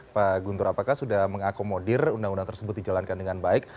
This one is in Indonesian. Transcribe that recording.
pak guntur apakah sudah mengakomodir undang undang tersebut dijalankan dengan baik